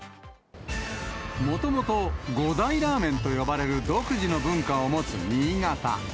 もともと５大ラーメンと呼ばれる独自の文化を持つ新潟。